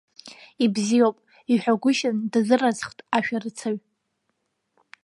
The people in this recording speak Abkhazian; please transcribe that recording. Ибзиоуп, иҳәагәышьан дазыразхт ашәарацаҩ.